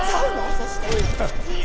そして。